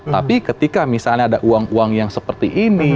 tapi ketika misalnya ada uang uang yang seperti ini